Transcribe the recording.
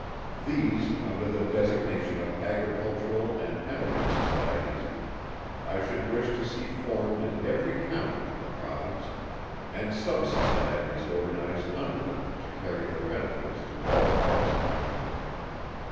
These, under the designation of Agricultural and Emigrant Societies, I should wish to see formed in every County in the Province, and Sub Societies organized under them to carry their benefits to all parts of the Country.